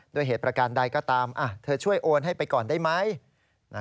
ด้วยเหตุประการใดก็ตามเธอช่วยโอนให้ไปก่อนได้ไหม